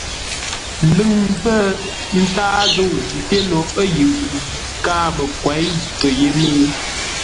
Lʉ̂ŋ pə̂ ntâa zə̂u ńté no ə̂ yʉʼ yi káa məkwěi pə̂ yé mə́u.